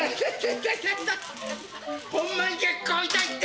ホンマに結構痛いって！